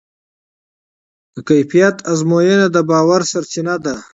د کیفیت ازموینه د باور سرچینه ده.